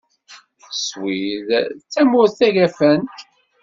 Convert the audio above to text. Swid d tamurt tagafant.